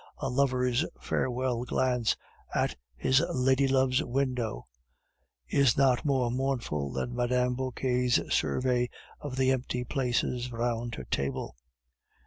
A lover's farewell glance at his lady love's window is not more mournful than Mme. Vauquer's survey of the empty places round her table.